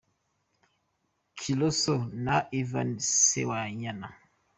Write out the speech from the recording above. Kisolo na Ivani Sewanyana.